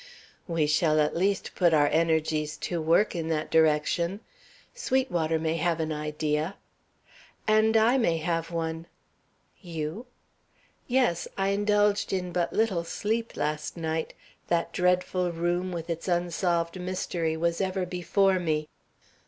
"We shall at least put our energies to work in that direction. Sweetwater may have an idea " "And I may have one." "You?" "Yes; I indulged in but little sleep last night. That dreadful room with its unsolved mystery was ever before me.